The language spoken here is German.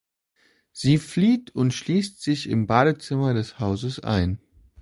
Sie flieht und schließt sich im Badezimmer des Hauses ein.